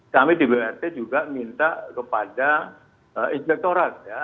kami di brt juga minta kepada inspektorat ya